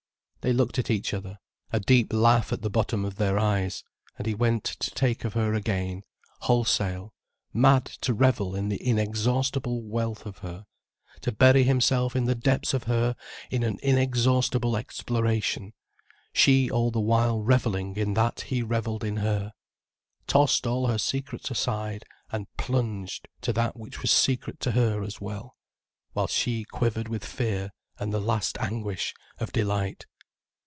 They looked at each other, a deep laugh at the bottom of their eyes, and he went to take of her again, wholesale, mad to revel in the inexhaustible wealth of her, to bury himself in the depths of her in an inexhaustible exploration, she all the while revelling in that he revelled in her, tossed all her secrets aside and plunged to that which was secret to her as well, whilst she quivered with fear and the last anguish of delight.